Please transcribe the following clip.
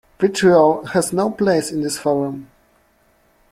Vitriol has no place in this forum.